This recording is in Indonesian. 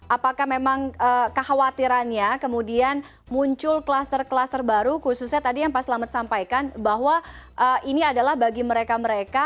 apakah memang kekhawatirannya kemudian muncul kluster kluster baru khususnya tadi yang pak selamat sampaikan bahwa ini adalah bagi mereka mereka